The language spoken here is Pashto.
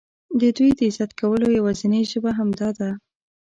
د دوی د عزت کولو یوازینۍ ژبه همدا ده.